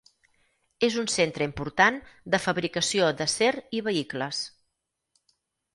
És un centre important de fabricació d'acer i vehicles.